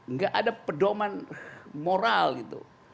nggak ada pedoman moral gitu